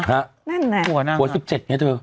หัว๑๗ไงเธอ